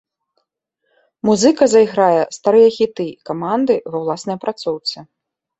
Музыка зайграе старыя хіты каманды ва ўласнай апрацоўцы.